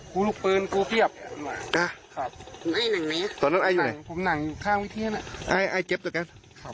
กูลูกเปินกูเพียบตอนนั้นไออยู่ไหนไอเจ็บต่อกัน